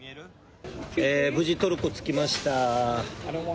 無事、トルコ着きました。